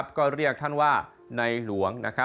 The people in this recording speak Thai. ติดตามได้จากรายงานพิเศษชิ้นนี้นะคะ